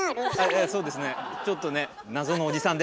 ええそうですねちょっとね